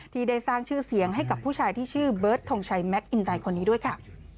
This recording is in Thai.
ที่ได้สร้างชื่อเสียงให้กับผู้ชายที่ชื่อเบิร์ตทงชัยแมคอินไดคนนี้ด้วยค่ะ